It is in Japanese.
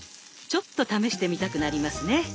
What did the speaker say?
ちょっと試してみたくなりますね。